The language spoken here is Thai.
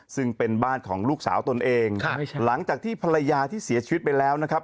ซึ่งเป็นบ้านของลูกสาวตนเองหลังจากที่ภรรยาที่เสียชีวิตไปแล้วนะครับ